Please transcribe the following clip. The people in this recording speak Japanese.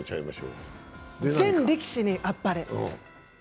全力士にあっぱれ。